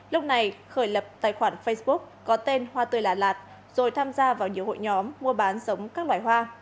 lúc này khởi lập tài khoản facebook có tên hoa tươi lạt lạt rồi tham gia vào nhiều hội nhóm mua bán giống các loài hoa